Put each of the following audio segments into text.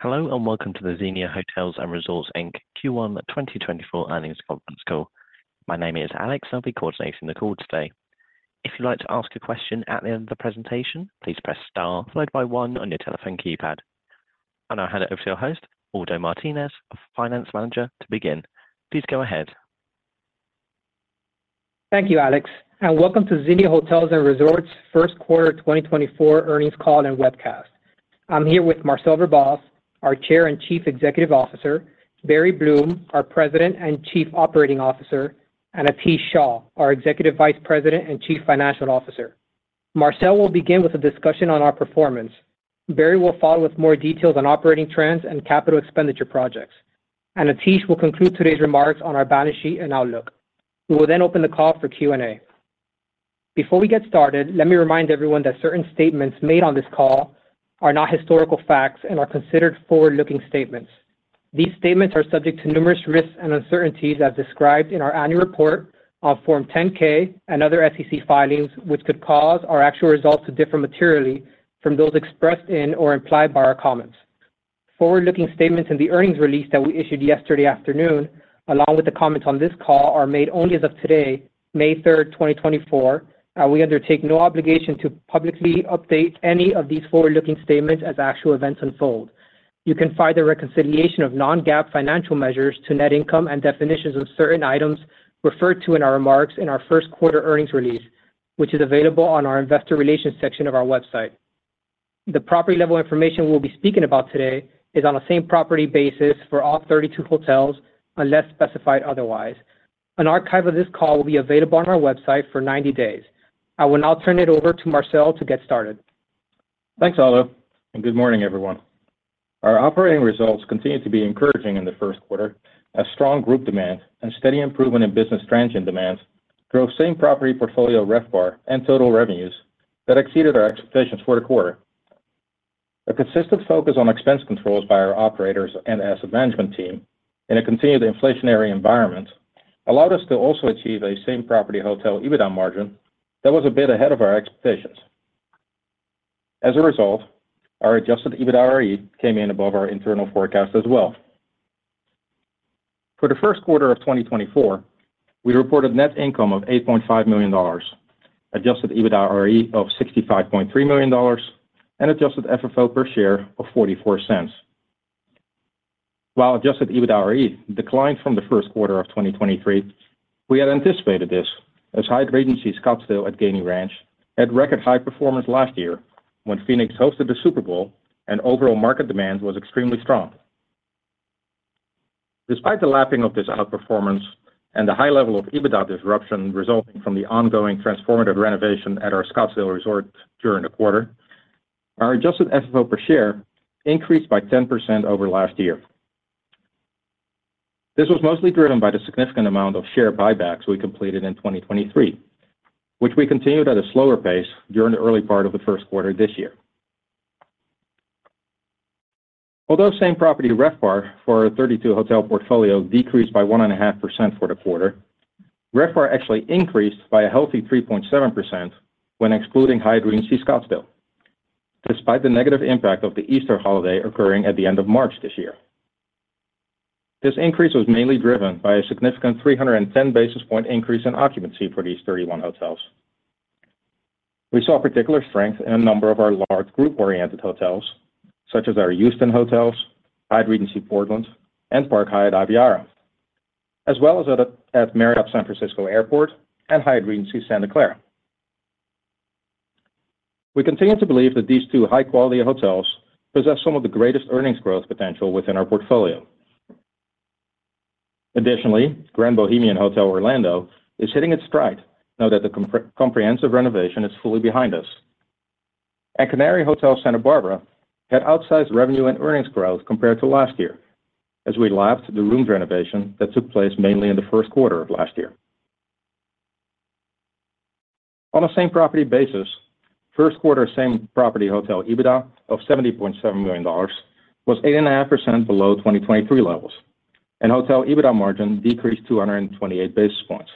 Hello, and welcome to the Xenia Hotels & Resorts, Inc. Q1 2024 earnings conference call. My name is Alex, I'll be coordinating the call today. If you'd like to ask a question at the end of the presentation, please press star followed by one on your telephone keypad. I'll now hand it over to your host, Aldo Martinez, our Finance Manager, to begin. Please go ahead. Thank you, Alex, and welcome to Xenia Hotels & Resorts first quarter 2024 earnings call and webcast. I'm here with Marcel Verbaas, our Chair and Chief Executive Officer, Barry Bloom, our President and Chief Operating Officer, and Atish Shah, our Executive Vice President and Chief Financial Officer. Marcel will begin with a discussion on our performance. Barry will follow with more details on operating trends and capital expenditure projects, and Atish will conclude today's remarks on our balance sheet and outlook. We will then open the call for Q&A. Before we get started, let me remind everyone that certain statements made on this call are not historical facts and are considered forward-looking statements. These statements are subject to numerous risks and uncertainties as described in our annual report on Form 10-K and other SEC filings, which could cause our actual results to differ materially from those expressed in or implied by our comments. Forward-looking statements in the earnings release that we issued yesterday afternoon, along with the comments on this call, are made only as of today, May 3, 2024, and we undertake no obligation to publicly update any of these forward-looking statements as actual events unfold. You can find the reconciliation of non-GAAP financial measures to net income and definitions of certain items referred to in our remarks in our first quarter earnings release, which is available on our investor relations section of our website. The property-level information we'll be speaking about today is on a same-property basis for all 32 hotels, unless specified otherwise. An archive of this call will be available on our website for 90 days. I will now turn it over to Marcel to get started. Thanks, Aldo, and good morning, everyone. Our operating results continued to be encouraging in the first quarter as strong group demand and steady improvement in business transient demands drove same-property portfolio RevPAR and total revenues that exceeded our expectations for the quarter. A consistent focus on expense controls by our operators and asset management team in a continued inflationary environment allowed us to also achieve a same-property hotel EBITDA margin that was a bit ahead of our expectations. As a result, our adjusted EBITDAre came in above our internal forecast as well. For the first quarter of 2024, we reported net income of $8.5 million, adjusted EBITDAre of $65.3 million, and adjusted FFO per share of $0.44. While adjusted EBITDAre declined from the first quarter of 2023, we had anticipated this as Hyatt Regency Scottsdale at Gainey Ranch had record high performance last year when Phoenix hosted the Super Bowl and overall market demand was extremely strong. Despite the lapping of this outperformance and the high level of EBITDA disruption resulting from the ongoing transformative renovation at our Scottsdale resort during the quarter, our adjusted FFO per share increased by 10% over last year. This was mostly driven by the significant amount of share buybacks we completed in 2023, which we continued at a slower pace during the early part of the first quarter this year. Although same-property RevPAR for our 32-hotel portfolio decreased by 1.5% for the quarter, RevPAR actually increased by a healthy 3.7% when excluding Hyatt Regency Scottsdale, despite the negative impact of the Easter holiday occurring at the end of March this year. This increase was mainly driven by a significant 310 basis point increase in occupancy for these 31 hotels. We saw particular strength in a number of our large group-oriented hotels, such as our Houston hotels, Hyatt Regency Portland, and Park Hyatt Aviara, as well as at Marriott San Francisco Airport and Hyatt Regency Santa Clara. We continue to believe that these two high-quality hotels possess some of the greatest earnings growth potential within our portfolio. Additionally, Grand Bohemian Hotel Orlando is hitting its stride now that the comprehensive renovation is fully behind us. Canary Hotel, Santa Barbara, had outsized revenue and earnings growth compared to last year, as we lapped the rooms renovation that took place mainly in the first quarter of last year. On a same-property basis, first quarter same-property Hotel EBITDA of $70.7 million was 8.5% below 2023 levels, and Hotel EBITDA margin decreased 228 basis points.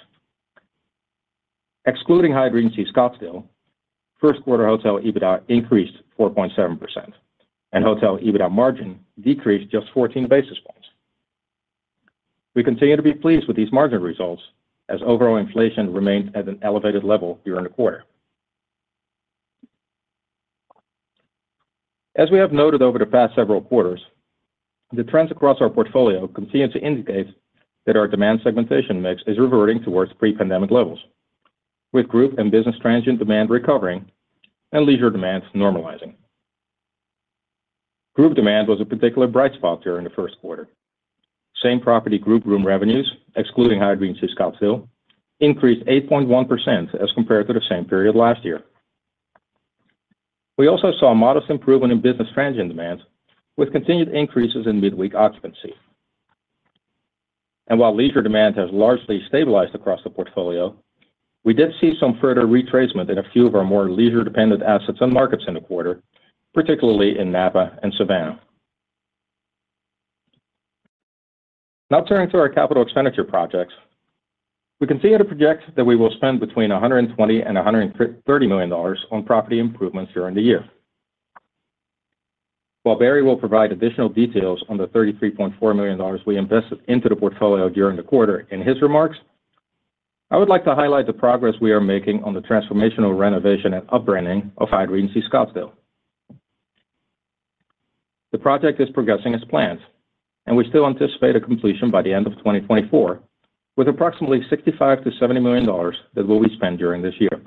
Excluding Hyatt Regency Scottsdale, first quarter Hotel EBITDA increased 4.7%, and Hotel EBITDA margin decreased just 14 basis points. We continue to be pleased with these margin results as overall inflation remains at an elevated level during the quarter. As we have noted over the past several quarters, the trends across our portfolio continue to indicate that our demand segmentation mix is reverting towards pre-pandemic levels, with group and business transient demand recovering and leisure demands normalizing. Group demand was a particular bright spot during the first quarter. Same property group room revenues, excluding Hyatt Regency Scottsdale, increased 8.1% as compared to the same period last year. We also saw a modest improvement in business transient demand, with continued increases in midweek occupancy. And while leisure demand has largely stabilized across the portfolio, we did see some further retracement in a few of our more leisure-dependent assets and markets in the quarter, particularly in Napa and Savannah. Now turning to our capital expenditure projects. We continue to project that we will spend between $120 million and $130 million on property improvements during the year. While Barry will provide additional details on the $33.4 million we invested into the portfolio during the quarter in his remarks, I would like to highlight the progress we are making on the transformational renovation and upbranding of Hyatt Regency Scottsdale. The project is progressing as planned, and we still anticipate a completion by the end of 2024, with approximately $65 million-$70 million that will be spent during this year.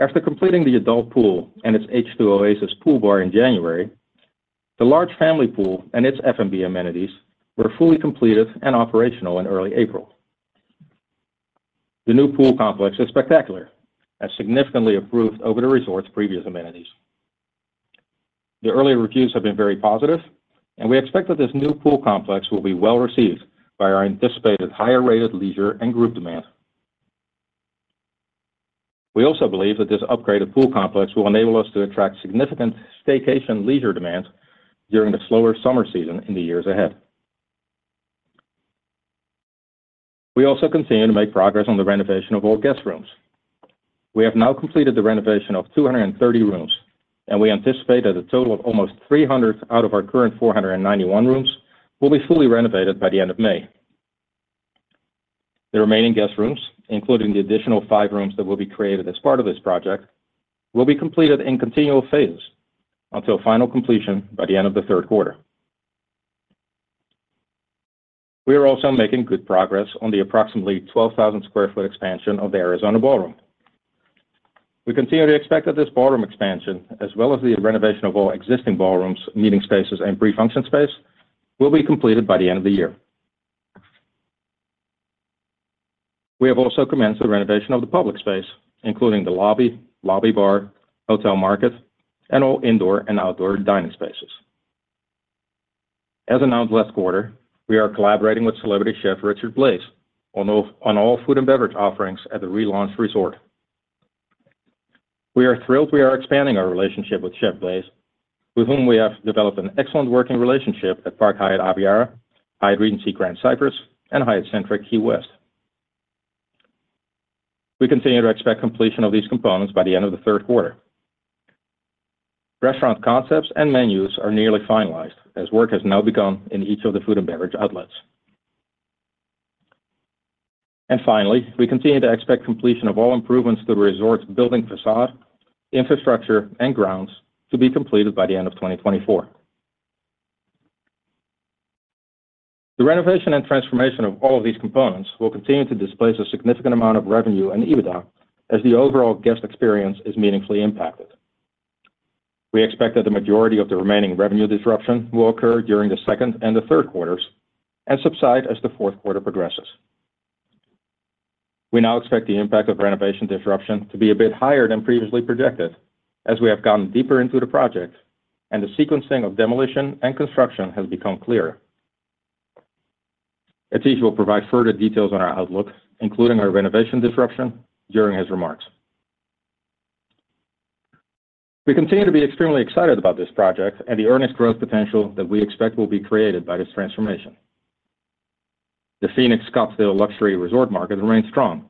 After completing the adult pool and its H2Oasis Pool Bar in January, the large family pool and its F&B amenities were fully completed and operational in early April. The new pool complex is spectacular, and significantly improved over the resort's previous amenities. The early reviews have been very positive, and we expect that this new pool complex will be well-received by our anticipated higher rate of leisure and group demand. We also believe that this upgraded pool complex will enable us to attract significant staycation leisure demand during the slower summer season in the years ahead. We also continue to make progress on the renovation of all guest rooms. We have now completed the renovation of 230 rooms, and we anticipate that a total of almost 300 out of our current 491 rooms will be fully renovated by the end of May. The remaining guest rooms, including the additional five rooms that will be created as part of this project, will be completed in continual phases until final completion by the end of the third quarter. We are also making good progress on the approximately 12,000 sq ft expansion of the Arizona Ballroom. We continue to expect that this ballroom expansion, as well as the renovation of all existing ballrooms, meeting spaces, and pre-function space, will be completed by the end of the year. We have also commenced the renovation of the public space, including the lobby, lobby bar, hotel market, and all indoor and outdoor dining spaces. As announced last quarter, we are collaborating with celebrity chef Richard Blais on all food and beverage offerings at the relaunched resort. We are thrilled we are expanding our relationship with Chef Blais, with whom we have developed an excellent working relationship at Park Hyatt Aviara, Hyatt Regency Grand Cypress, and Hyatt Centric Key West. We continue to expect completion of these components by the end of the third quarter. Restaurant concepts and menus are nearly finalized, as work has now begun in each of the food and beverage outlets. And finally, we continue to expect completion of all improvements to the resort's building façade, infrastructure, and grounds to be completed by the end of 2024. The renovation and transformation of all of these components will continue to displace a significant amount of revenue and EBITDA as the overall guest experience is meaningfully impacted. We expect that the majority of the remaining revenue disruption will occur during the second and the third quarters, and subside as the fourth quarter progresses. We now expect the impact of renovation disruption to be a bit higher than previously projected, as we have gone deeper into the project and the sequencing of demolition and construction has become clearer. Atish will provide further details on our outlook, including our renovation disruption, during his remarks. We continue to be extremely excited about this project and the earnings growth potential that we expect will be created by this transformation. The Phoenix Scottsdale luxury resort market remains strong,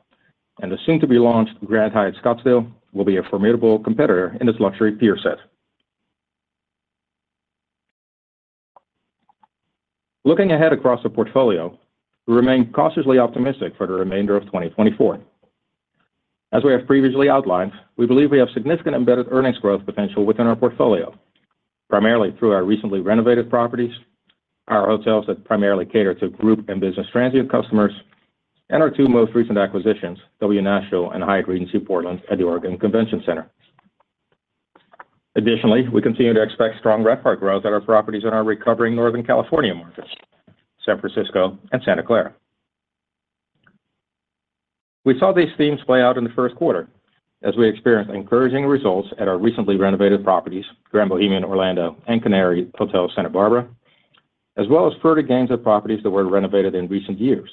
and the soon-to-be-launched Grand Hyatt Scottsdale will be a formidable competitor in this luxury peer set. Looking ahead across the portfolio, we remain cautiously optimistic for the remainder of 2024. As we have previously outlined, we believe we have significant embedded earnings growth potential within our portfolio, primarily through our recently renovated properties, our hotels that primarily cater to group and business transient customers, and our two most recent acquisitions, W Nashville and Hyatt Regency Portland at the Oregon Convention Center. Additionally, we continue to expect strong RevPAR growth at our properties in our recovering Northern California markets, San Francisco and Santa Clara. We saw these themes play out in the first quarter, as we experienced encouraging results at our recently renovated properties, Grand Bohemian Orlando and Canary Hotel, Santa Barbara, as well as further gains at properties that were renovated in recent years,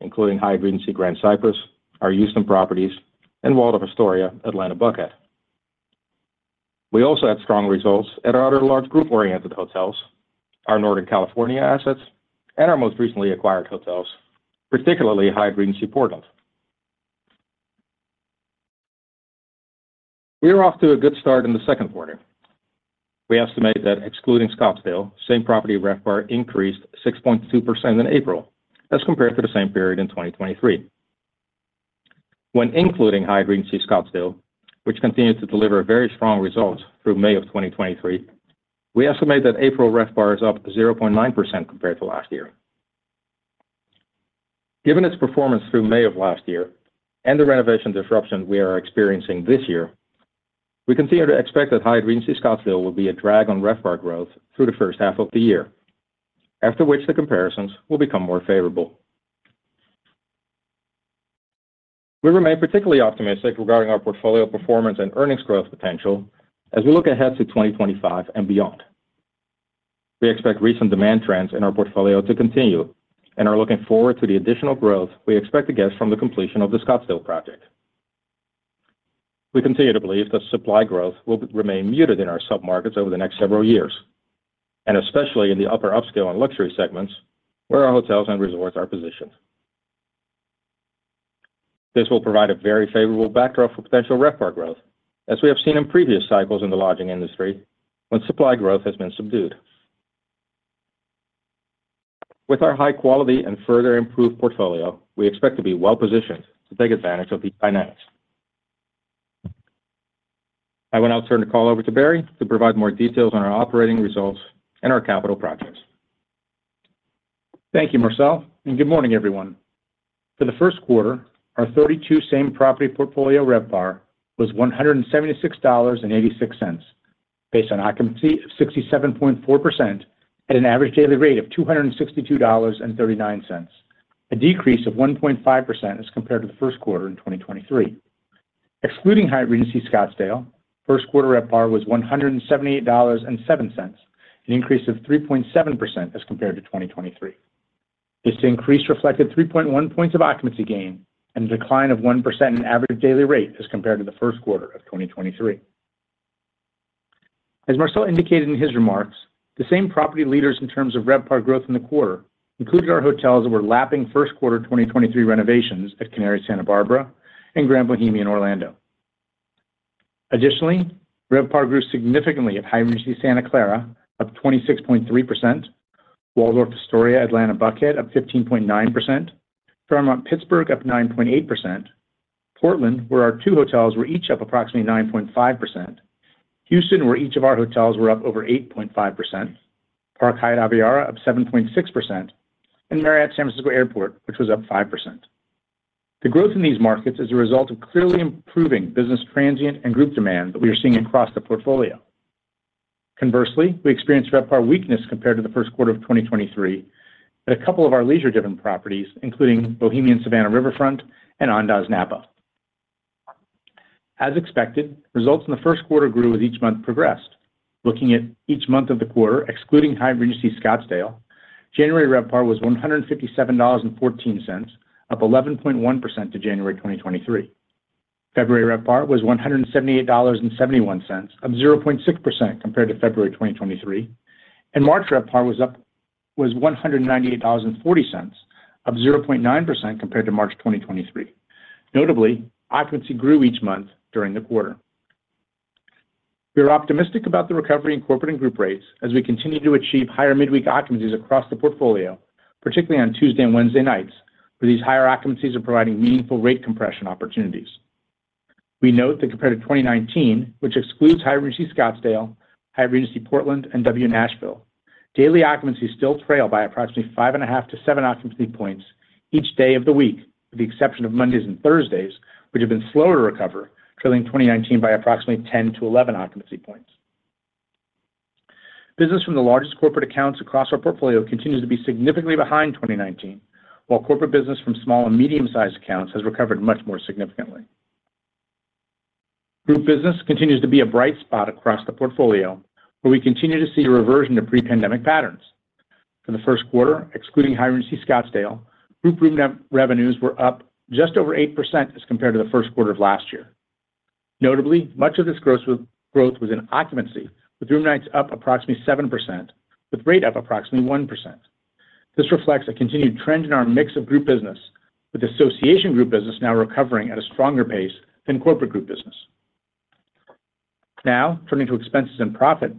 including Hyatt Regency Grand Cypress, our Houston properties, and Waldorf Astoria Atlanta Buckhead. We also had strong results at our other large group-oriented hotels, our Northern California assets, and our most recently acquired hotels, particularly Hyatt Regency Portland. We are off to a good start in the second quarter. We estimate that excluding Scottsdale, same-property RevPAR increased 6.2% in April as compared to the same period in 2023. When including Hyatt Regency Scottsdale, which continued to deliver very strong results through May of 2023, we estimate that April RevPAR is up 0.9% compared to last year. Given its performance through May of last year and the renovation disruption we are experiencing this year, we continue to expect that Hyatt Regency Scottsdale will be a drag on RevPAR growth through the first half of the year, after which the comparisons will become more favorable. We remain particularly optimistic regarding our portfolio performance and earnings growth potential as we look ahead to 2025 and beyond. We expect recent demand trends in our portfolio to continue and are looking forward to the additional growth we expect to get from the completion of the Scottsdale project. We continue to believe that supply growth will remain muted in our submarkets over the next several years, and especially in the upper upscale and luxury segments, where our hotels and resorts are positioned. This will provide a very favorable backdrop for potential RevPAR growth, as we have seen in previous cycles in the lodging industry, when supply growth has been subdued. With our high quality and further improved portfolio, we expect to be well-positioned to take advantage of these dynamics. I will now turn the call over to Barry to provide more details on our operating results and our capital projects. Thank you, Marcel, and good morning, everyone. For the first quarter, our 32 Same-Property portfolio RevPAR was $176.86, based on occupancy of 67.4% at an average daily rate of $262.39, a decrease of 1.5% as compared to the first quarter in 2023. Excluding Hyatt Regency Scottsdale, first quarter RevPAR was $178.07, an increase of 3.7% as compared to 2023. This increase reflected 3.1 points of occupancy gain and a decline of 1% in average daily rate as compared to the first quarter of 2023. As Marcel indicated in his remarks, the same property leaders in terms of RevPAR growth in the quarter included our hotels that were lapping first quarter 2023 renovations at Canary Santa Barbara and Grand Bohemian Orlando. Additionally, RevPAR grew significantly at Hyatt Regency Santa Clara, up 26.3%, Waldorf Astoria, Atlanta Buckhead, up 15.9%, Fairmont Pittsburgh, up 9.8%. Portland, where our two hotels were each up approximately 9.5%. Houston, where each of our hotels were up over 8.5%. Park Hyatt Aviara, up 7.6%, and Marriott San Francisco Airport, which was up 5%. The growth in these markets is a result of clearly improving business transient and group demand that we are seeing across the portfolio. Conversely, we experienced RevPAR weakness compared to the first quarter of 2023 at a couple of our leisure-dependent properties, including Bohemian Hotel Savannah Riverfront and Andaz Napa. As expected, results in the first quarter grew as each month progressed. Looking at each month of the quarter, excluding Hyatt Regency Scottsdale, January RevPAR was $157.14, up 11.1% to January 2023. February RevPAR was $178.71, up 0.6% compared to February 2023, and March RevPAR was $198.40, up 0.9% compared to March 2023. Notably, occupancy grew each month during the quarter. We are optimistic about the recovery in corporate and group rates as we continue to achieve higher midweek occupancies across the portfolio, particularly on Tuesday and Wednesday nights, where these higher occupancies are providing meaningful rate compression opportunities. We note that compared to 2019, which excludes Hyatt Regency Scottsdale, Hyatt Regency Portland, and W Nashville, daily occupancy still trail by approximately 5.5-7 occupancy points each day of the week, with the exception of Mondays and Thursdays, which have been slower to recover, trailing 2019 by approximately 10-11 occupancy points. Business from the largest corporate accounts across our portfolio continues to be significantly behind 2019, while corporate business from small and medium-sized accounts has recovered much more significantly. Group business continues to be a bright spot across the portfolio, but we continue to see a reversion to pre-pandemic patterns. For the first quarter, excluding Hyatt Regency Scottsdale, group room revenues were up just over 8% as compared to the first quarter of last year. Notably, much of this growth was in occupancy, with room nights up approximately 7%, with rate up approximately 1%. This reflects a continued trend in our mix of group business, with association group business now recovering at a stronger pace than corporate group business. Now, turning to expenses and profit.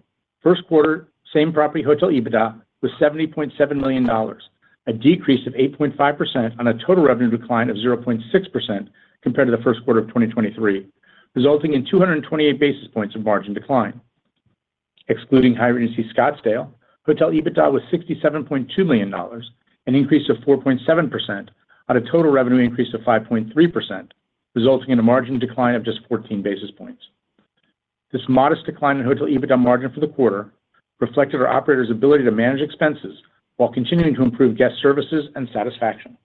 First quarter, same property hotel EBITDA was $70.7 million, a decrease of 8.5% on a total revenue decline of 0.6% compared to the first quarter of 2023, resulting in 228 basis points of margin decline. Excluding Hyatt Regency Scottsdale, Hotel EBITDA was $67.2 million, an increase of 4.7% on a total revenue increase of 5.3%, resulting in a margin decline of just 14 basis points. This modest decline in Hotel EBITDA margin for the quarter reflected our operators' ability to manage expenses while continuing to improve guest services and satisfaction.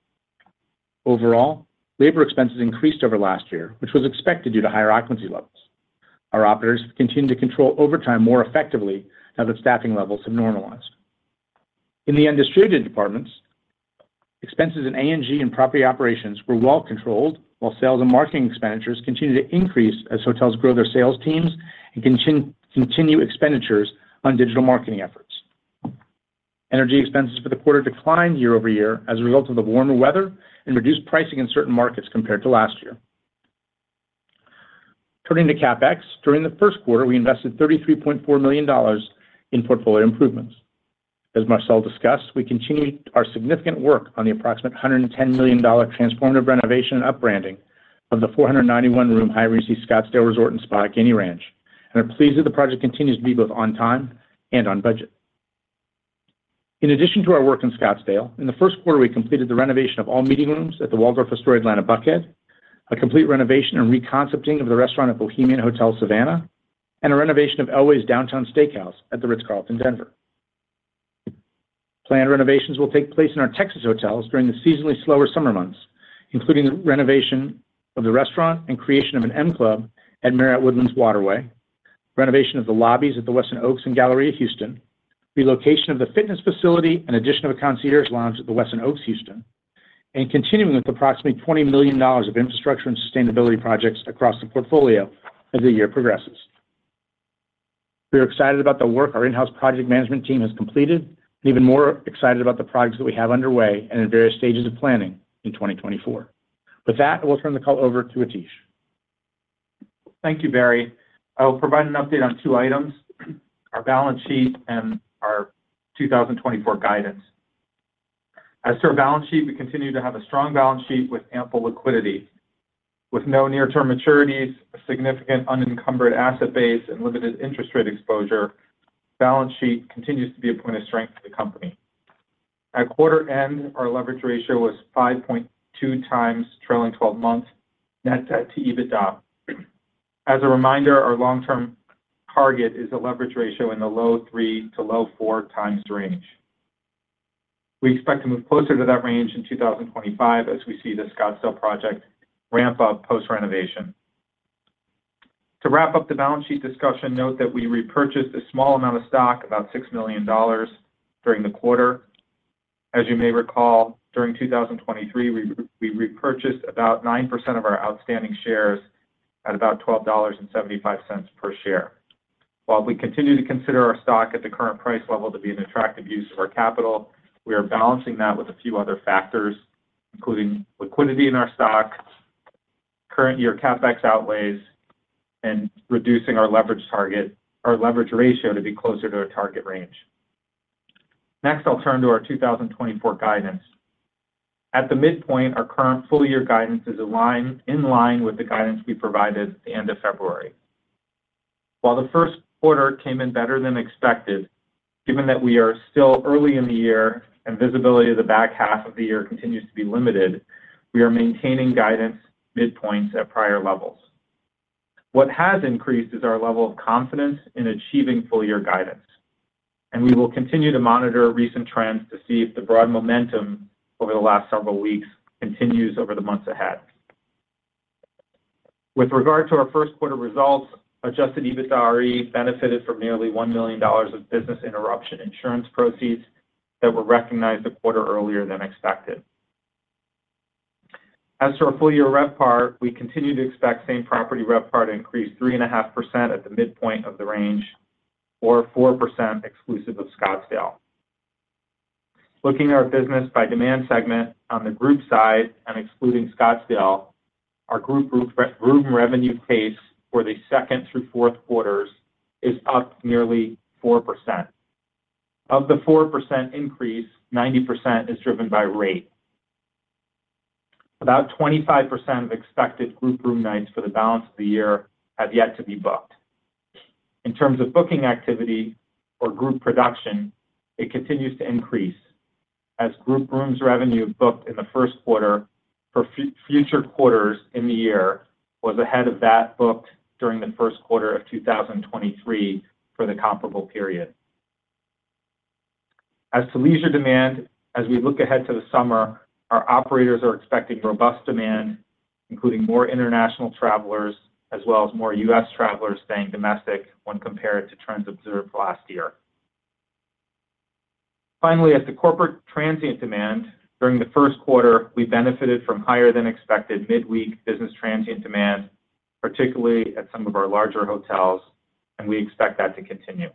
Overall, labor expenses increased over last year, which was expected due to higher occupancy levels. Our operators have continued to control overtime more effectively now that staffing levels have normalized. In the undistributed departments, expenses in A&G and property operations were well controlled, while sales and marketing expenditures continue to increase as hotels grow their sales teams and continue expenditures on digital marketing efforts. Energy expenses for the quarter declined year-over-year as a result of the warmer weather and reduced pricing in certain markets compared to last year. Turning to CapEx, during the first quarter, we invested $33.4 million in portfolio improvements. As Marcel discussed, we continued our significant work on the approximate $110 million transformative renovation and upbranding of the 491-room Hyatt Regency Scottsdale Resort & Spa at Gainey Ranch, and are pleased that the project continues to be both on time and on budget. In addition to our work in Scottsdale, in the first quarter, we completed the renovation of all meeting rooms at the Waldorf Astoria Atlanta Buckhead, a complete renovation and re-concepting of the restaurant at Bohemian Hotel Savannah, and a renovation of Elway's Downtown Steakhouse at the Ritz-Carlton Denver. Planned renovations will take place in our Texas hotels during the seasonally slower summer months, including the renovation of the restaurant and creation of an M Club at Marriott Woodlands Waterway, renovation of the lobbies at the Westin Oaks Houston at the Galleria, relocation of the fitness facility, and addition of a concierge lounge at the Westin Oaks Houston, and continuing with approximately $20 million of infrastructure and sustainability projects across the portfolio as the year progresses. We are excited about the work our in-house project management team has completed, and even more excited about the projects that we have underway and in various stages of planning in 2024. With that, I will turn the call over to Atish. Thank you, Barry. I will provide an update on two items: our balance sheet and our 2024 guidance. As to our balance sheet, we continue to have a strong balance sheet with ample liquidity. With no near-term maturities, a significant unencumbered asset base, and limited interest rate exposure, balance sheet continues to be a point of strength for the company. At quarter end, our leverage ratio was 5.2x trailing twelve months net debt to EBITDA. As a reminder, our long-term target is a leverage ratio in the low 3x-low 4x range. We expect to move closer to that range in 2025 as we see the Scottsdale project ramp up post-renovation. To wrap up the balance sheet discussion, note that we repurchased a small amount of stock, about $6 million, during the quarter. As you may recall, during 2023, we repurchased about 9% of our outstanding shares at about $12.75 per share. While we continue to consider our stock at the current price level to be an attractive use of our capital, we are balancing that with a few other factors, including liquidity in our stock, current year CapEx outlays, and reducing our leverage target - or leverage ratio to be closer to our target range. Next, I'll turn to our 2024 guidance. At the midpoint, our current full year guidance is aligned - in line with the guidance we provided at the end of February. While the first quarter came in better than expected, given that we are still early in the year and visibility of the back half of the year continues to be limited, we are maintaining guidance midpoints at prior levels. What has increased is our level of confidence in achieving full year guidance, and we will continue to monitor recent trends to see if the broad momentum over the last several weeks continues over the months ahead. With regard to our first quarter results, Adjusted EBITDAre benefited from nearly $1 million of business interruption insurance proceeds that were recognized a quarter earlier than expected. As to our full year RevPAR, we continue to expect same-property RevPAR to increase 3.5% at the midpoint of the range, or 4% exclusive of Scottsdale. Looking at our business by demand segment, on the group side and excluding Scottsdale, our group room revenue pace for the second through fourth quarters is up nearly 4%. Of the 4% increase, 90% is driven by rate. About 25% of expected group room nights for the balance of the year have yet to be booked. In terms of booking activity or group production, it continues to increase, as group rooms revenue booked in the first quarter for future quarters in the year was ahead of that booked during the first quarter of 2023 for the comparable period. As to leisure demand, as we look ahead to the summer, our operators are expecting robust demand, including more international travelers, as well as more U.S. travelers staying domestic when compared to trends observed last year. Finally, at the corporate transient demand, during the first quarter, we benefited from higher-than-expected midweek business transient demand, particularly at some of our larger hotels, and we expect that to continue.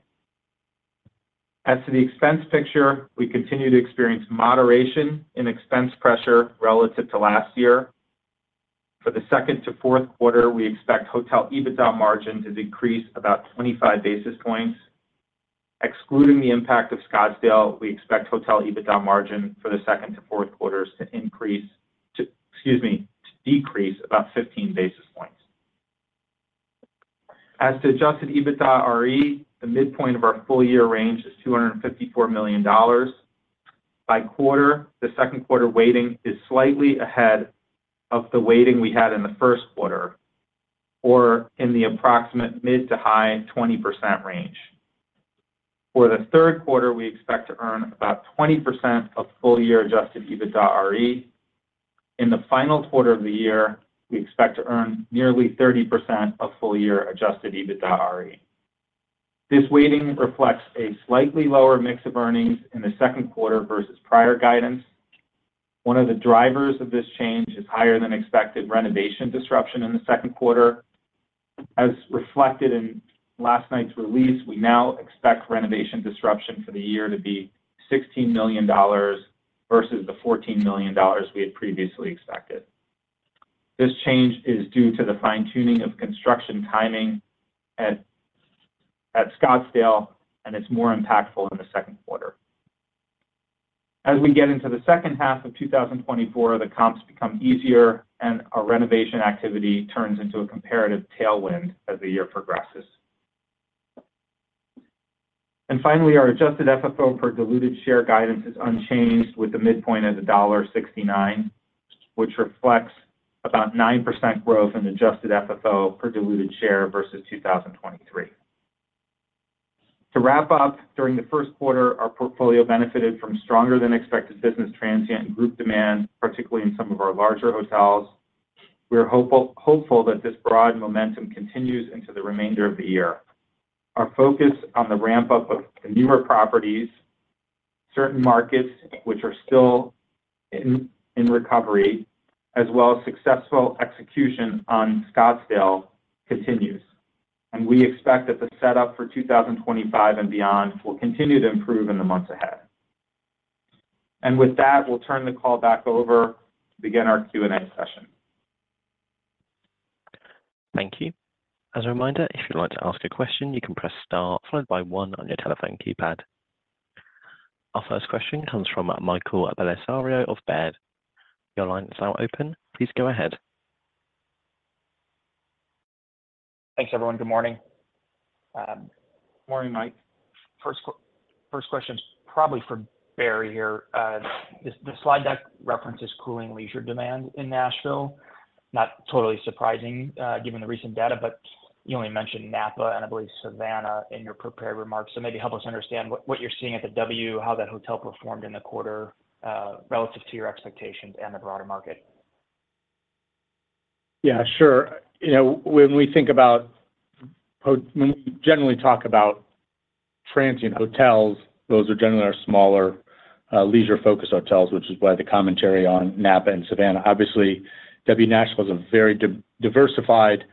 As to the expense picture, we continue to experience moderation in expense pressure relative to last year. For the second to fourth quarter, we expect hotel EBITDA margin to decrease about 25 basis points. Excluding the impact of Scottsdale, we expect hotel EBITDA margin for the second to fourth quarters to decrease, excuse me, about 15 basis points. As to Adjusted EBITDAre, the midpoint of our full-year range is $254 million. By quarter, the second quarter weighting is slightly ahead of the weighting we had in the first quarter, or in the approximate mid- to high-20% range. For the third quarter, we expect to earn about 20% of full-year Adjusted EBITDAre. In the final quarter of the year, we expect to earn nearly 30% of full-year Adjusted EBITDAre. This weighting reflects a slightly lower mix of earnings in the second quarter versus prior guidance. One of the drivers of this change is higher-than-expected renovation disruption in the second quarter. As reflected in last night's release, we now expect renovation disruption for the year to be $16 million versus the $14 million we had previously expected. This change is due to the fine-tuning of construction timing at Scottsdale, and it's more impactful in the second quarter. As we get into the second half of 2024, the comps become easier, and our renovation activity turns into a comparative tailwind as the year progresses. And finally, our Adjusted FFO per diluted share guidance is unchanged, with the midpoint at $1.69, which reflects about 9% growth in Adjusted FFO per diluted share versus 2023. To wrap up, during the first quarter, our portfolio benefited from stronger-than-expected business transient and group demand, particularly in some of our larger hotels.... We are hopeful, hopeful that this broad momentum continues into the remainder of the year. Our focus on the ramp-up of the newer properties, certain markets which are still in recovery, as well as successful execution on Scottsdale continues, and we expect that the setup for 2025 and beyond will continue to improve in the months ahead. And with that, we'll turn the call back over to begin our Q&A session. Thank you. As a reminder, if you'd like to ask a question, you can press star followed by one on your telephone keypad. Our first question comes from Michael Bellisario of Baird. Your line is now open. Please go ahead. Thanks, everyone. Good morning. Morning, Mike. First question is probably for Barry here. The slide deck references cooling leisure demand in Nashville. Not totally surprising, given the recent data, but you only mentioned Napa and I believe Savannah, in your prepared remarks. So maybe help us understand what you're seeing at the W, how that hotel performed in the quarter, relative to your expectations and the broader market. Yeah, sure. You know, when we think about when we generally talk about transient hotels, those are generally our smaller, leisure-focused hotels, which is why the commentary on Napa and Savannah. Obviously, W Nashville is a very diversified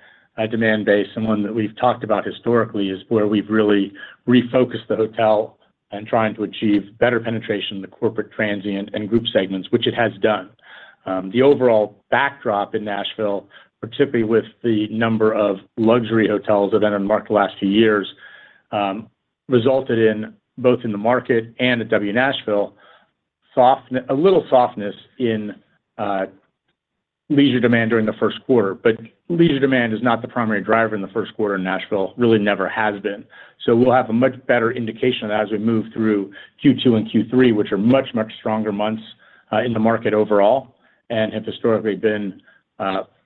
demand base, and one that we've talked about historically, is where we've really refocused the hotel on trying to achieve better penetration in the corporate transient and group segments, which it has done. The overall backdrop in Nashville, particularly with the number of luxury hotels that have been in market the last few years, resulted in both in the market and at W Nashville, a little softness in leisure demand during the first quarter. But leisure demand is not the primary driver in the first quarter in Nashville. Really never has been. So we'll have a much better indication of that as we move through Q2 and Q3, which are much, much stronger months, in the market overall, and have historically been,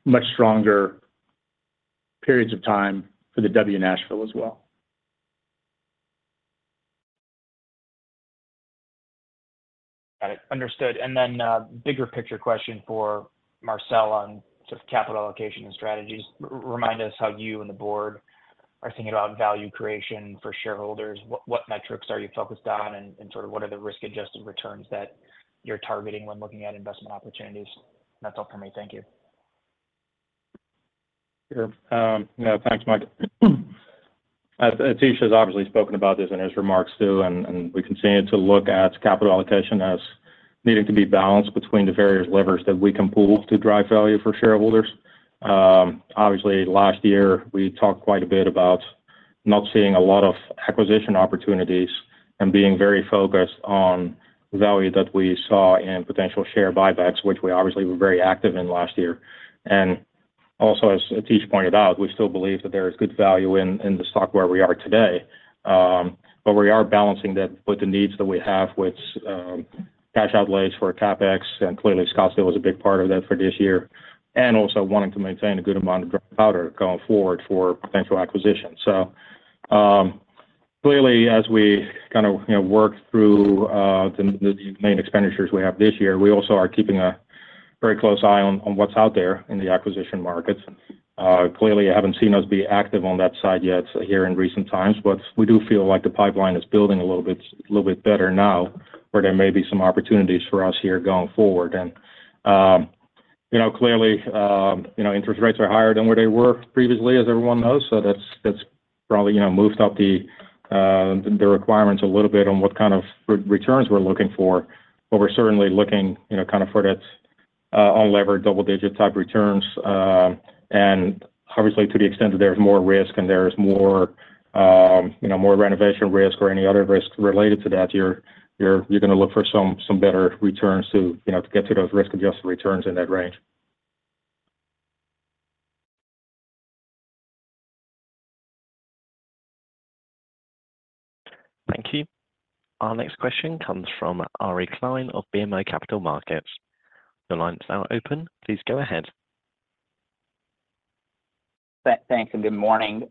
much stronger periods of time for the W Nashville as well. Got it. Understood. Then, bigger picture question for Marcel on sort of capital allocation and strategies. Remind us how you and the board are thinking about value creation for shareholders. What metrics are you focused on, and sort of what are the risk-adjusted returns that you're targeting when looking at investment opportunities? That's all for me. Thank you. Sure. Yeah, thanks, Mike. As Atish has obviously spoken about this in his remarks, too, and we continue to look at capital allocation as needing to be balanced between the various levers that we can pull to drive value for shareholders. Obviously, last year, we talked quite a bit about not seeing a lot of acquisition opportunities and being very focused on value that we saw in potential share buybacks, which we obviously were very active in last year. And also, as Atish pointed out, we still believe that there is good value in the stock where we are today. But we are balancing that with the needs that we have, which cash outlays for CapEx, and clearly, Scottsdale was a big part of that for this year, and also wanting to maintain a good amount of dry powder going forward for potential acquisitions. So, clearly, as we kind of, you know, work through the main expenditures we have this year, we also are keeping a very close eye on what's out there in the acquisition markets. Clearly, you haven't seen us be active on that side yet here in recent times, but we do feel like the pipeline is building a little bit better now, where there may be some opportunities for us here going forward. And, you know, clearly, you know, interest rates are higher than where they were previously, as everyone knows, so that's probably, you know, moved up the requirements a little bit on what kind of returns we're looking for. But we're certainly looking, you know, kind of for that unlevered double-digit type returns. Obviously, to the extent that there is more risk and there is more, you know, more renovation risk or any other risk related to that, you're going to look for some better returns to, you know, to get to those risk-adjusted returns in that range. Thank you. Our next question comes from Ari Klein of BMO Capital Markets. Your line is now open. Please go ahead. Thanks, and good morning.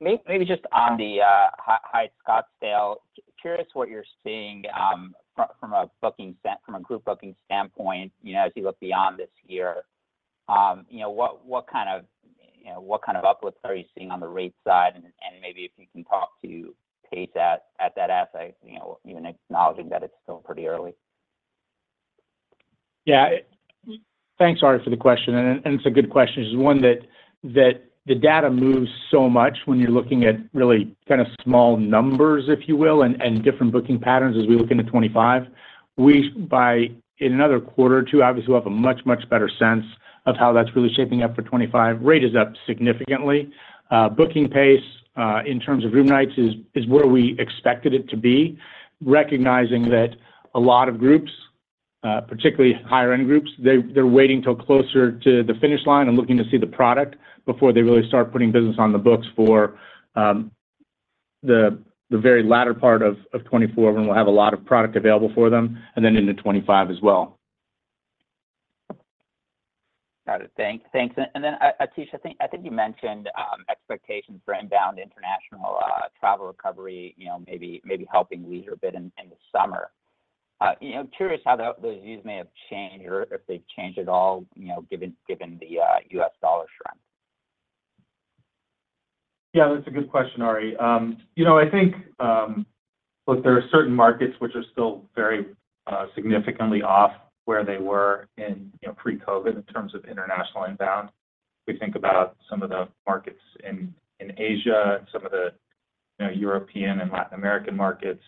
Maybe just on the Hyatt Scottsdale, curious what you're seeing from a group booking standpoint, you know, as you look beyond this year. You know, what kind of uplifts are you seeing on the rate side? And maybe if you can talk to pace at that asset, you know, even acknowledging that it's still pretty early. Yeah. Thanks, Ari, for the question, and it's a good question. It's one that the data moves so much when you're looking at really kind of small numbers, if you will, and different booking patterns as we look into 2025. By in another quarter or two, obviously, we'll have a much better sense of how that's really shaping up for 2025. Rate is up significantly. Booking pace in terms of room nights is where we expected it to be, recognizing that a lot of groups, particularly higher-end groups, they're waiting till closer to the finish line and looking to see the product before they really start putting business on the books for the very latter part of 2024, when we'll have a lot of product available for them, and then into 2025 as well. Got it. Thanks. And then, Atish, I think you mentioned expectations for inbound international travel recovery, you know, maybe helping leisure a bit in the summer.... You know, I'm curious how those views may have changed or if they've changed at all, you know, given the US dollar strength? Yeah, that's a good question, Ari. You know, I think, look, there are certain markets which are still very, significantly off where they were in, you know, pre-COVID in terms of international inbound. We think about some of the markets in, in Asia and some of the, you know, European and Latin American markets,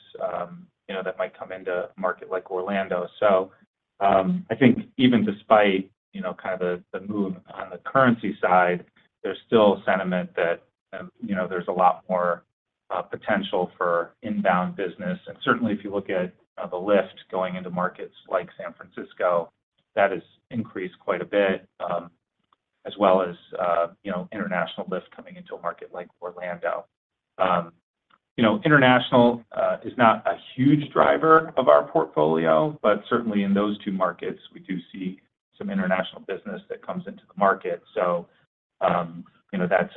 you know, that might come into a market like Orlando. So, I think even despite, you know, kind of the, the move on the currency side, there's still sentiment that, you know, there's a lot more, potential for inbound business. And certainly, if you look at, the lift going into markets like San Francisco, that has increased quite a bit, as well as, you know, international lift coming into a market like Orlando. You know, international is not a huge driver of our portfolio, but certainly in those two markets, we do see some international business that comes into the market. So, you know, that's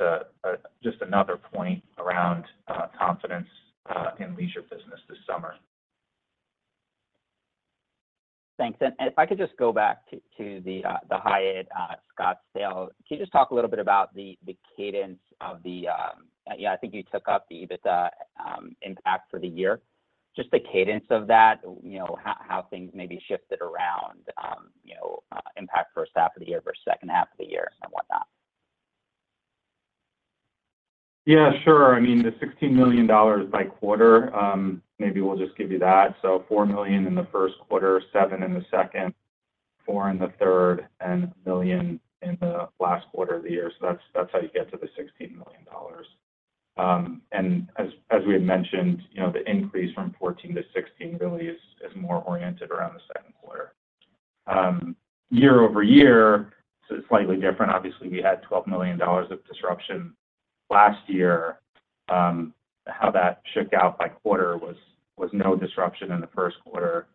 just another point around confidence in leisure business this summer. Thanks. And if I could just go back to the Hyatt Scottsdale. Can you just talk a little bit about the cadence of the... Yeah, I think you took up the EBITDA impact for the year. Just the cadence of that, you know, how things maybe shifted around, you know, impact first half of the year versus second half of the year and whatnot. Yeah, sure. I mean, the $16 million by quarter, maybe we'll just give you that. So $4 million in the first quarter, $7 million in the second, $4 million in the third, and $1 million in the last quarter of the year. So that's, that's how you get to the $16 million. And as, as we had mentioned, you know, the increase from $14 million to $16 million really is, is more oriented around the second quarter. Year-over-year, so slightly different. Obviously, we had $12 million of disruption last year. How that shook out by quarter was, was no disruption in the first quarter,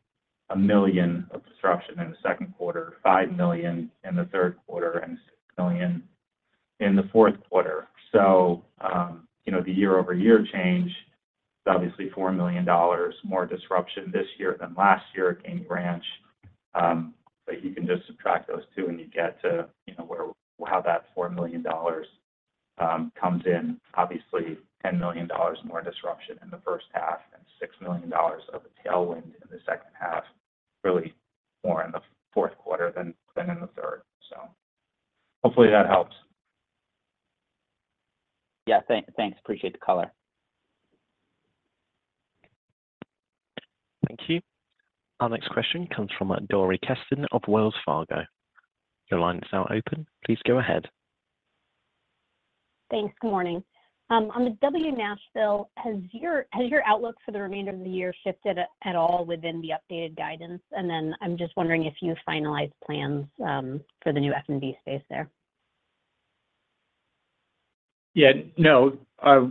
$1 million of disruption in the second quarter, $5 million in the third quarter, and $6 million in the fourth quarter. So, you know, the year-over-year change is obviously $4 million more disruption this year than last year at Gainey Ranch. But you can just subtract those two, and you get to, you know, where—how that $4 million comes in. Obviously, $10 million more disruption in the first half and $6 million of a tailwind in the second half, really more in the fourth quarter than in the third. So hopefully that helps. Yeah, thanks. Appreciate the color. Thank you. Our next question comes from Dori Kesten of Wells Fargo. Your line is now open. Please go ahead. Thanks. Good morning. On the W Nashville, has your—has your outlook for the remainder of the year shifted at, at all within the updated guidance? And then I'm just wondering if you've finalized plans for the new F&B space there. Yeah. No, our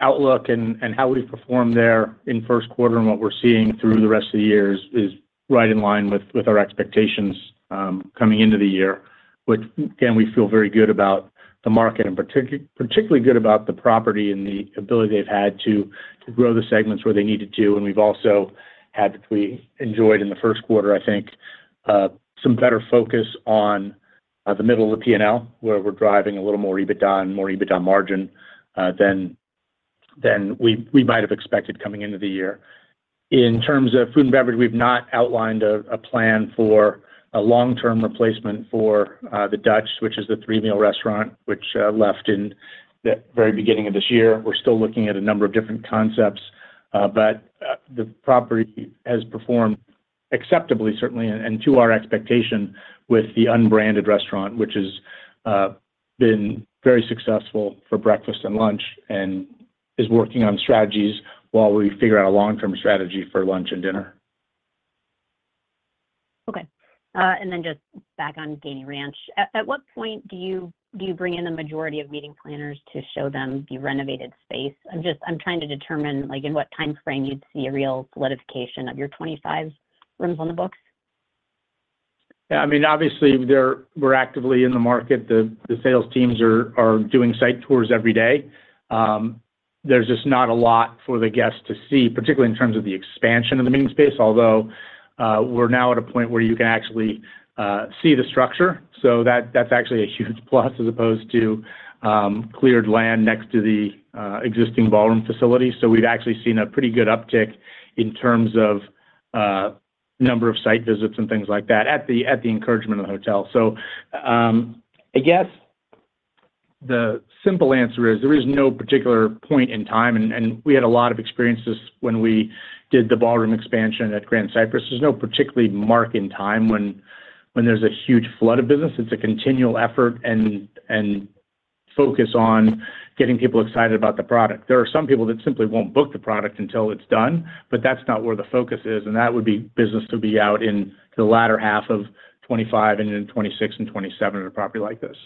outlook and how we performed there in first quarter and what we're seeing through the rest of the year is right in line with our expectations, coming into the year. But again, we feel very good about the market and particularly good about the property and the ability they've had to grow the segments where they needed to. And we've also had... We enjoyed in the first quarter, I think, some better focus on the middle of the P&L, where we're driving a little more EBITDA and more EBITDA margin than we might have expected coming into the year. In terms of food and beverage, we've not outlined a plan for a long-term replacement for The Dutch, which is the three-meal restaurant, which left in the very beginning of this year. We're still looking at a number of different concepts, but the property has performed acceptably, certainly, and to our expectation with the unbranded restaurant, which has been very successful for breakfast and lunch, and is working on strategies while we figure out a long-term strategy for lunch and dinner. Okay. And then just back on Gainey Ranch. At what point do you bring in the majority of meeting planners to show them the renovated space? I'm just trying to determine, like, in what time frame you'd see a real solidification of your 25 rooms on the books. Yeah, I mean, obviously, they're, we're actively in the market. The sales teams are doing site tours every day. There's just not a lot for the guests to see, particularly in terms of the expansion of the meeting space, although we're now at a point where you can actually see the structure. So that's actually a huge plus, as opposed to cleared land next to the existing ballroom facility. So we've actually seen a pretty good uptick in terms of number of site visits and things like that at the encouragement of the hotel. So I guess the simple answer is there is no particular point in time, and we had a lot of experiences when we did the ballroom expansion at Grand Cypress. There's no particularly mark in time when, when there's a huge flood of business. It's a continual effort and, and focus on getting people excited about the product. There are some people that simply won't book the product until it's done, but that's not where the focus is, and that would be business to be out in the latter half of 2025 and then 2026 and 2027 in a property like this.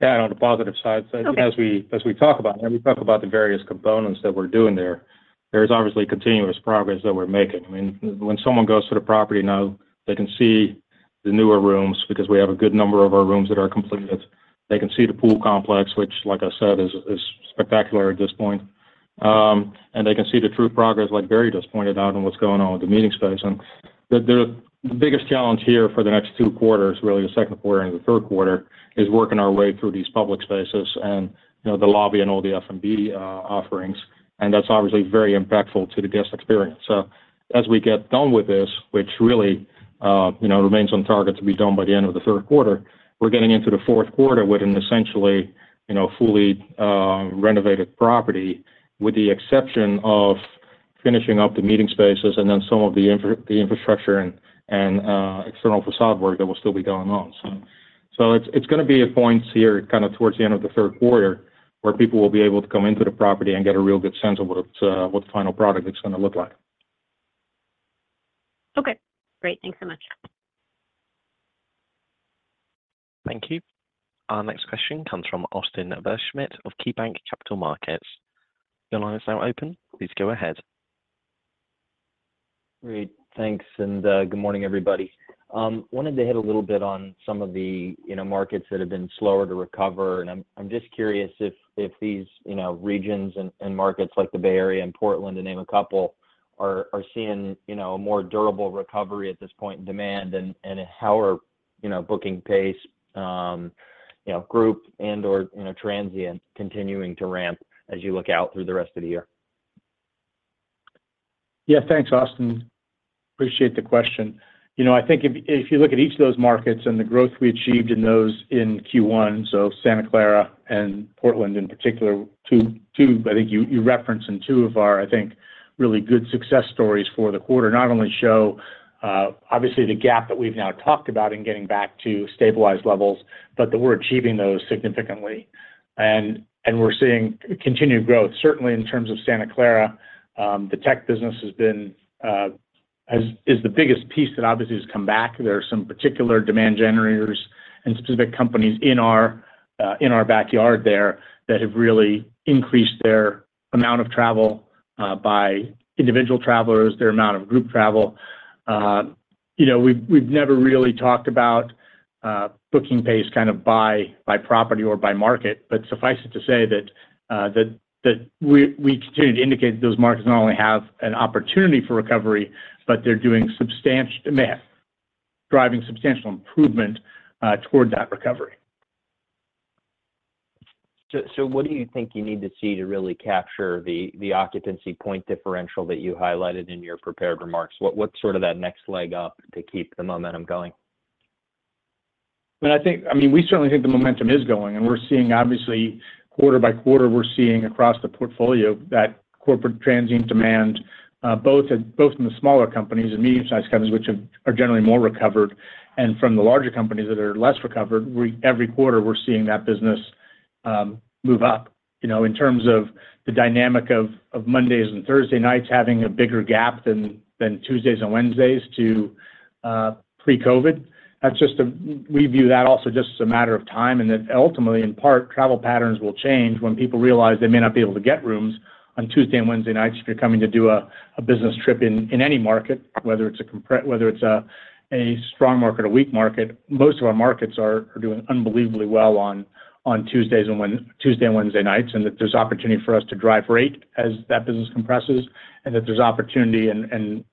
Yeah, on the positive side- Okay... so as we talk about the various components that we're doing there, there's obviously continuous progress that we're making. I mean, when someone goes to the property now, they can see the newer rooms because we have a good number of our rooms that are completed. They can see the pool complex, which, like I said, is-... spectacular at this point. And they can see the true progress, like Barry just pointed out, on what's going on with the meeting space. And the biggest challenge here for the next two quarters, really, the second quarter and the third quarter, is working our way through these public spaces and, you know, the lobby and all the F&B offerings, and that's obviously very impactful to the guest experience. So as we get done with this, which really, you know, remains on target to be done by the end of the third quarter, we're getting into the fourth quarter with an essentially, you know, fully renovated property, with the exception of finishing up the meeting spaces and then some of the infrastructure and external façade work that will still be going on. So it's gonna be a point here, kind of towards the end of the third quarter, where people will be able to come into the property and get a real good sense of what the final product is gonna look like. Okay, great. Thanks so much. Thank you. Our next question comes from Austin Wurschmidt of KeyBanc Capital Markets. Your line is now open. Please go ahead. Great, thanks, and good morning, everybody. Wanted to hit a little bit on some of the, you know, markets that have been slower to recover, and I'm just curious if these, you know, regions and markets like the Bay Area and Portland, to name a couple, are seeing, you know, a more durable recovery at this point in demand and how are, you know, booking pace, you know, group and/or transient, continuing to ramp as you look out through the rest of the year? Yeah, thanks, Austin. Appreciate the question. You know, I think if you look at each of those markets and the growth we achieved in those in Q1, so Santa Clara and Portland in particular, two. I think you referenced in two of our, I think, really good success stories for the quarter. Not only show obviously the gap that we've now talked about in getting back to stabilized levels, but that we're achieving those significantly, and we're seeing continued growth. Certainly, in terms of Santa Clara, the tech business has been as is the biggest piece that obviously has come back. There are some particular demand generators and specific companies in our in our backyard there that have really increased their amount of travel by individual travelers, their amount of group travel. You know, we've never really talked about booking pace kind of by property or by market, but suffice it to say that we continue to indicate that those markets not only have an opportunity for recovery, but they're doing substantial demand, driving substantial improvement towards that recovery. So, what do you think you need to see to really capture the occupancy point differential that you highlighted in your prepared remarks? What's sort of that next leg up to keep the momentum going? Well, I think... I mean, we certainly think the momentum is going, and we're seeing obviously, quarter by quarter, we're seeing across the portfolio that corporate transient demand, both in the smaller companies and medium-sized companies, which are generally more recovered, and from the larger companies that are less recovered, every quarter we're seeing that business, move up. You know, in terms of the dynamic of Mondays and Thursday nights having a bigger gap than Tuesdays and Wednesdays to pre-COVID, that's just we view that also just as a matter of time, and that ultimately, in part, travel patterns will change when people realize they may not be able to get rooms on Tuesday and Wednesday nights if you're coming to do a business trip in any market, whether it's a strong market or weak market. Most of our markets are doing unbelievably well on Tuesdays and Wednesday nights, and that there's opportunity for us to drive rate as that business compresses, and that there's opportunity and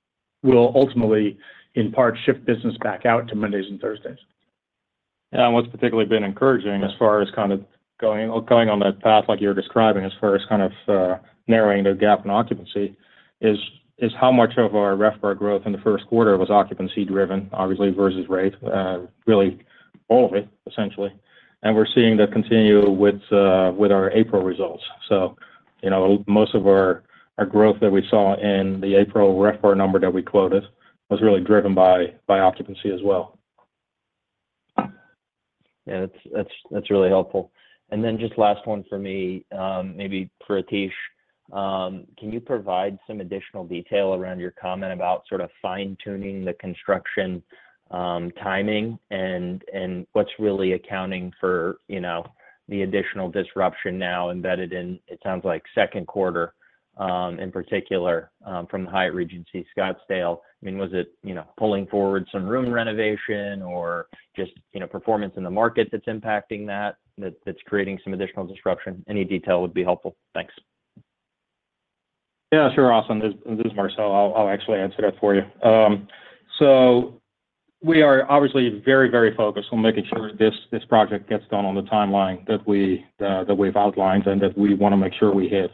will ultimately, in part, shift business back out to Mondays and Thursdays. Yeah, and what's particularly been encouraging as far as kind of going on that path, like you're describing, as far as kind of narrowing the gap in occupancy is how much of our RevPAR growth in the first quarter was occupancy driven, obviously, versus rate. Really, all of it, essentially. And we're seeing that continue with our April results. So, you know, most of our growth that we saw in the April RevPAR number that we quoted was really driven by occupancy as well. Yeah, that's really helpful. And then just last one for me, maybe for Atish. Can you provide some additional detail around your comment about sort of fine-tuning the construction, timing and what's really accounting for, you know, the additional disruption now embedded in, it sounds like second quarter, in particular, from the Hyatt Regency Scottsdale? I mean, was it, you know, pulling forward some room renovation or just, you know, performance in the market that's impacting that that's creating some additional disruption? Any detail would be helpful. Thanks. Yeah, sure, Austin. This, this is Marcel. I'll actually answer that for you. So we are obviously very, very focused on making sure this, this project gets done on the timeline that we, that we've outlined and that we want to make sure we hit.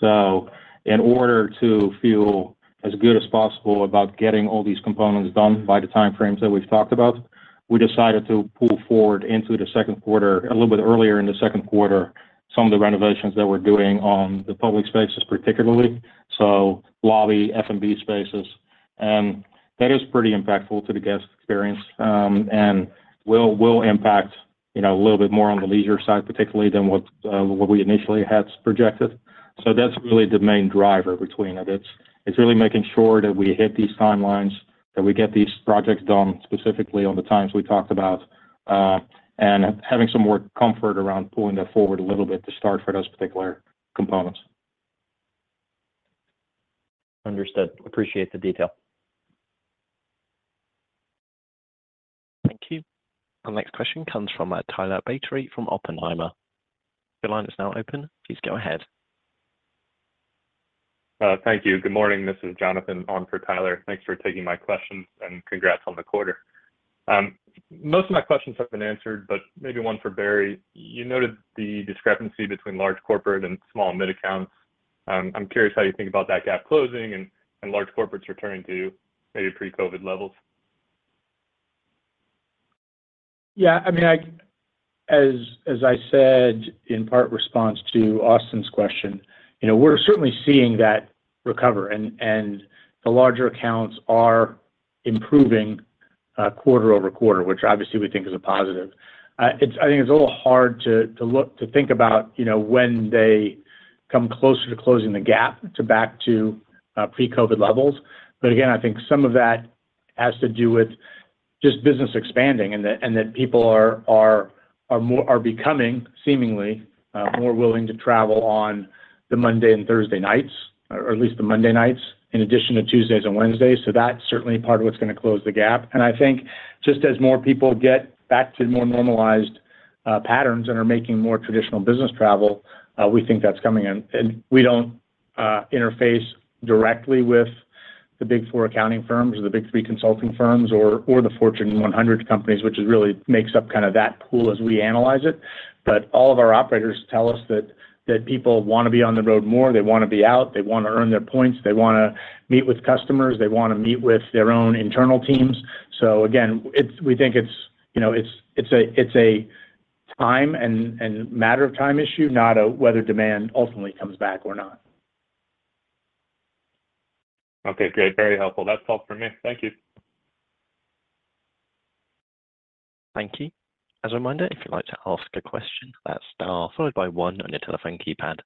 So in order to feel as good as possible about getting all these components done by the time frames that we've talked about, we decided to pull forward into the second quarter, a little bit earlier in the second quarter, some of the renovations that we're doing on the public spaces particularly, so lobby, F&B spaces. And that is pretty impactful to the guest experience, and will, will impact, you know, a little bit more on the leisure side, particularly than what, what we initially had projected. So that's really the main driver between it. It's, it's really making sure that we hit these timelines, that we get these projects done specifically on the times we talked about, and having some more comfort around pulling that forward a little bit to start for those particular components. Understood. Appreciate the detail. Thank you. Our next question comes from Tyler Batory from Oppenheimer. Your line is now open, please go ahead. Thank you. Good morning, this is Jonathan on for Tyler. Thanks for taking my questions, and congrats on the quarter. Most of my questions have been answered, but maybe one for Barry. You noted the discrepancy between large corporate and small mid accounts. I'm curious how you think about that gap closing and, and large corporates returning to maybe pre-COVID levels. Yeah, I mean, as I said in part response to Austin's question, you know, we're certainly seeing that recover, and the larger accounts are improving quarter-over-quarter, which obviously we think is a positive. I think it's a little hard to think about, you know, when they come closer to closing the gap back to pre-COVID levels. But again, I think some of that has to do with just business expanding, and that people are becoming seemingly more willing to travel on the Monday and Thursday nights, or at least the Monday nights, in addition to Tuesdays and Wednesdays. So that's certainly part of what's gonna close the gap. I think just as more people get back to more normalized patterns and are making more traditional business travel, we think that's coming in. We don't interface directly with the Big Four accounting firms or the Big Three consulting firms or the Fortune 100 companies, which really makes up kind of that pool as we analyze it. But all of our operators tell us that people wanna be on the road more, they wanna be out, they wanna earn their points, they wanna meet with customers, they wanna meet with their own internal teams. So again, it's, we think it's, you know, it's a time and matter of time issue, not whether demand ultimately comes back or not. Okay, great. Very helpful. That's all for me. Thank you. Thank you. As a reminder, if you'd like to ask a question, that's star followed by one on your telephone keypad.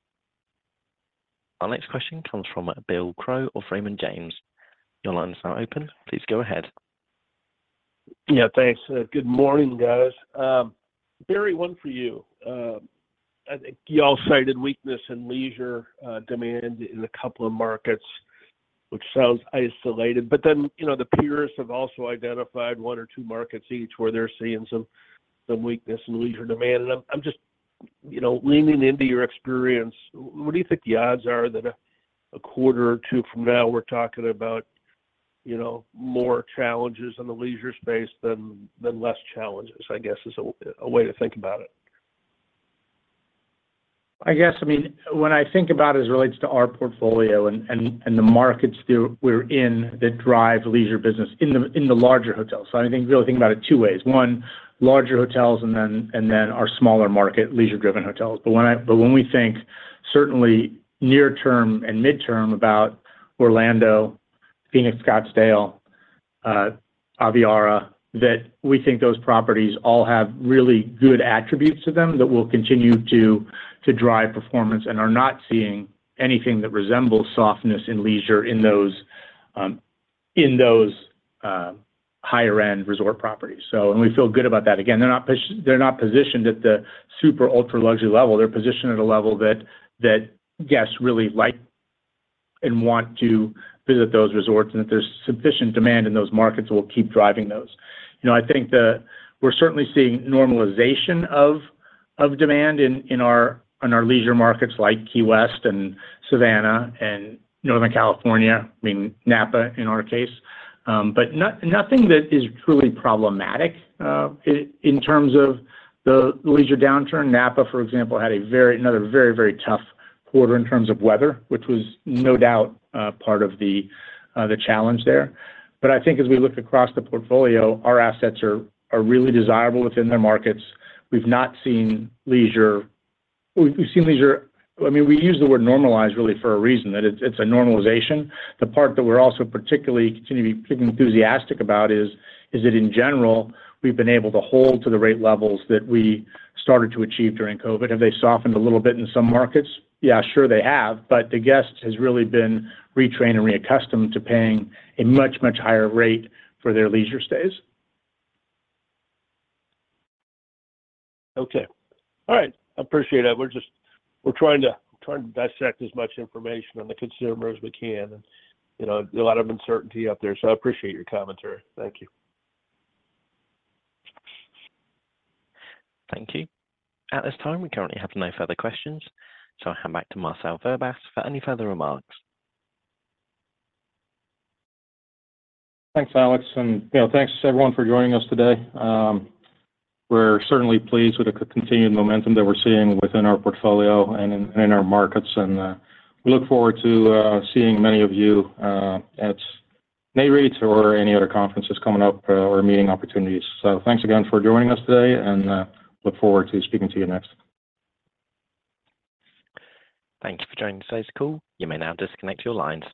Our next question comes from Bill Crow of Raymond James. Your line is now open, please go ahead. Yeah, thanks. Good morning, guys. Barry, one for you. I think you all cited weakness in leisure demand in a couple of markets, which sounds isolated, but then, you know, the peers have also identified one or two markets each where they're seeing some weakness in leisure demand. And I'm just, you know, leaning into your experience, what do you think the odds are that a quarter or two from now we're talking about, you know, more challenges in the leisure space than less challenges, I guess, is a way to think about it? I guess, I mean, when I think about it as it relates to our portfolio and the markets we're in that drive leisure business in the larger hotels. So I think we really think about it two ways: one, larger hotels and then our smaller market, leisure-driven hotels. But when we think certainly near term and midterm about Orlando, Phoenix, Scottsdale, Aviara, that we think those properties all have really good attributes to them that will continue to drive performance, and are not seeing anything that resembles softness in leisure in those higher-end resort properties. So... And we feel good about that. Again, they're not positioned at the super, ultra-luxury level. They're positioned at a level that guests really like and want to visit those resorts, and that there's sufficient demand in those markets that will keep driving those. You know, I think we're certainly seeing normalization of demand in our leisure markets like Key West and Savannah and Northern California, I mean, Napa in our case. But nothing that is truly problematic in terms of the leisure downturn. Napa, for example, had another very, very tough quarter in terms of weather, which was no doubt part of the challenge there. But I think as we look across the portfolio, our assets are really desirable within their markets. We've not seen leisure. We've seen leisure. I mean, we use the word normalize really for a reason, that it's a normalization. The part that we're also particularly continuing to be enthusiastic about is that in general, we've been able to hold to the rate levels that we started to achieve during COVID. Have they softened a little bit in some markets? Yeah, sure they have, but the guest has really been retrained and reaccustomed to paying a much, much higher rate for their leisure stays. Okay. All right, I appreciate it. We're just, we're trying to, trying to dissect as much information on the consumer as we can, and, you know, a lot of uncertainty out there, so I appreciate your commentary. Thank you. Thank you. At this time, we currently have no further questions, so I'll hand back to Marcel Verbaas for any further remarks. Thanks, Alex, and, you know, thanks to everyone for joining us today. We're certainly pleased with the continued momentum that we're seeing within our portfolio and in, and in our markets, and we look forward to seeing many of you at Nareit or any other conferences coming up, or meeting opportunities. So thanks again for joining us today, and look forward to speaking to you next. Thank you for joining today's call. You may now disconnect your lines.